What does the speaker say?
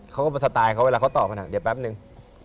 เขาก็สไตล์เขาเวลาเขาตอบมันเดี๋ยวแป๊บนึง